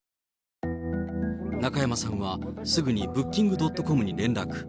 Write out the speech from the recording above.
中山さんは、すぐにブッキング・ドットコムに連絡。